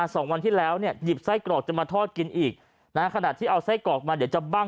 ไส้กรอกจะมาทอดกินอีกนะขณะที่เอาไส้กรอกมาเดี๋ยวจะบ้าง